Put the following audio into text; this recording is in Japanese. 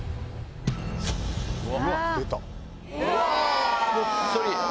うわ！